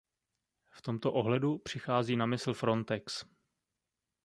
V tomto ohledu přichází na mysl Frontex.